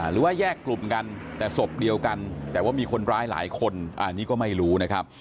หรือว่าแยกกลุ่มกันแต่ศพเดียวกันแต่ว่ามีคนร้ายหลายคนอันนี้ก็ไม่รู้นะครับ